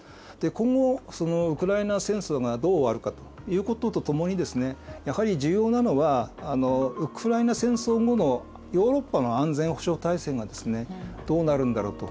今後ウクライナ戦争がどう終わるかということとともにですねやはり重要なのはウクライナ戦争後のヨーロッパの安全保障体制がですねどうなるんだろうと。